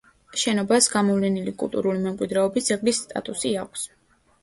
შენობას, გამოვლენილი კულტურული მემკვიდრეობის ძეგლის სტატუსი აქვს.